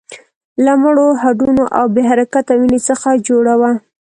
له مړو هډونو او بې حرکته وينې څخه جوړه وه.